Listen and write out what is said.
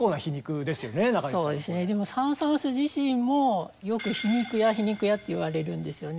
でもサン・サーンス自身もよく皮肉屋皮肉屋っていわれるんですよね。